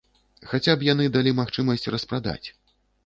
Хаця б яны далі магчымасць распрадаць.